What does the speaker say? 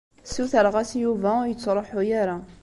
Ssutreɣ-as i Yuba ur yettṛuḥu ara.